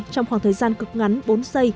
trong khoảng thời gian cực ngắn bốn giây